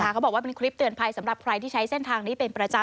เขาบอกว่าเป็นคลิปเตือนภัยสำหรับใครที่ใช้เส้นทางนี้เป็นประจำ